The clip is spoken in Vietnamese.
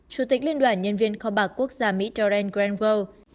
chủ tịch liên đoàn nhân viên kho bạc quốc gia mỹ dorian granville